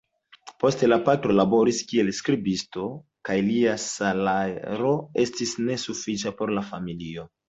Poste la patro laboris kiel skribisto kaj lia salajro estis nesufiĉa por la familio.